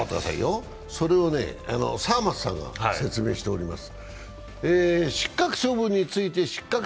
それを沢松さんが説明しております。